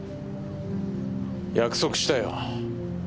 約束したよ。